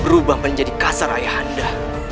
berubah menjadi kasar ayah anda